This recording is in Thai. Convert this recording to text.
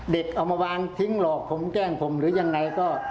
เอามาวางทิ้งหลอกผมแกล้งผมหรือยังไงก็